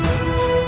kau akan menang